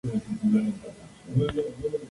Este instrumento se utiliza mucho en investigación.